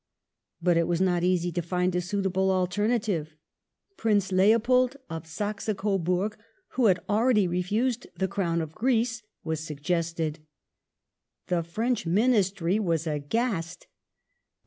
But it was not easy to find a suitable alternative. Prince Leopold of Saxe Coburg, who had already refused the Crown of Greece, was suggested. The French Ministry was aghast.